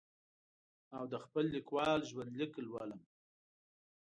او د خپل لیکوال ژوند لیک لولم.